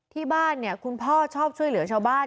ที่บ้านเนี่ยคุณพ่อชอบช่วยเหลือชาวบ้าน